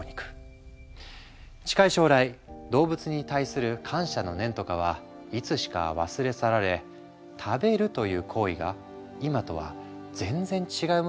近い将来動物に対する感謝の念とかはいつしか忘れ去られ食べるという行為が今とは全然違うものになるのかもしれないね。